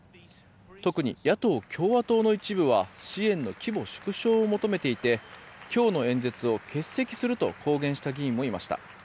特に野党・共和党の一部は支援の規模縮小を求めていて今日の演説を欠席すると公言した議員もいました。